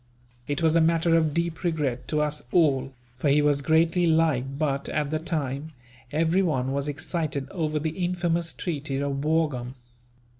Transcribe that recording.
It was a matter of deep regret to us all, for he was greatly liked but, at the time, everyone was excited over the infamous treaty of Wurgaum.